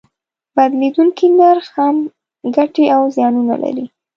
د بدلیدونکي نرخ هم ګټې او زیانونه لري.